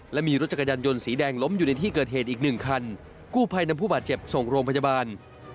และมีรถจักรยานยนต์สีแดงล้มอยู่ในที่เกิดเหตุอีกหนึ่งคันกู้ภัยนำผู้บาดเจ็บส่งโรงพยาบาล